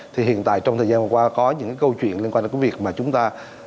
thì hiện tại trong thời gian qua có những câu chuyện liên quan đến cái việc mà chúng ta